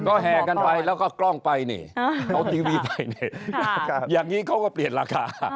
ก็แห่กันไปแล้วก็กล้องไปนี่เอาทีวีไปนี่อย่างนี้เขาก็เปลี่ยนราคา